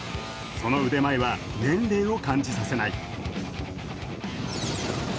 その腕前は年齢を感じさせない。